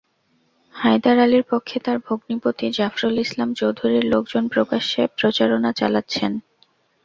হায়দার আলীর পক্ষে তাঁর ভগ্নিপতি জাফরুল ইসলাম চৌধুরীর লোকজন প্রকাশ্যে প্রচারণা চালাচ্ছেন।